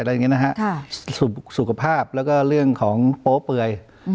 อย่างนี้นะฮะสุขภาพแล้วก็เรื่องของโป๊เปื่อย